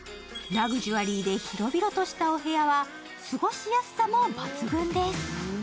ラグジュアリーで広々としたお部屋は過ごしやすさも抜群です。